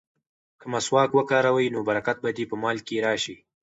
که مسواک وکاروې نو برکت به دې په مال کې راشي.